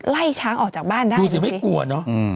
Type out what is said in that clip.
ไล่ช้างออกจากบ้านได้ดูสิไม่กลัวเนอะ